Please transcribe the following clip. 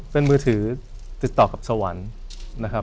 เป็นมือถือติดต่อกับสวรรค์นะครับ